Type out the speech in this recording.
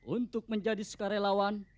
untuk menjadi sukarelawan